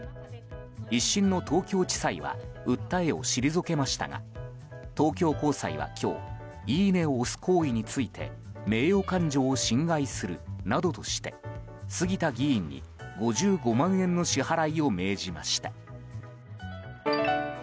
１審の東京地裁は訴えを退けましたが東京高裁は今日、いいねを押す行為について名誉感情を侵害するなどとして杉田議員に５５万円の支払いを命じました。